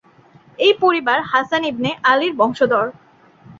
এই পরিবার Hasan ibn আলির বংশধর।